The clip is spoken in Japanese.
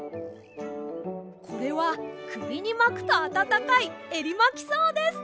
これはくびにまくとあたたかいエリマキそうです。